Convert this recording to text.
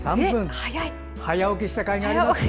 早起きしたかいがありますね。